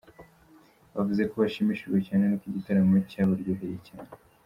Bavuze ko bashimishijwe cyane n’uko igitaramo cyabaryoheye cyane.